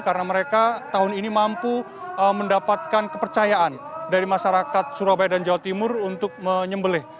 karena mereka tahun ini mampu mendapatkan kepercayaan dari masyarakat surabaya dan jawa timur untuk menyembelih